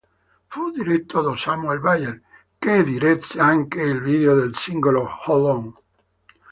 Fu diretto da Samuel Bayer che diresse anche il video del singolo "Hold On".